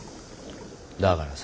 だからさ